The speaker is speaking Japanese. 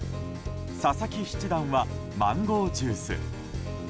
佐々木七段はマンゴージュース。